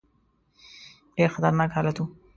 ډېر خطرناک حالت وو.